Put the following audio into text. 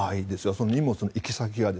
その荷物の行き先が。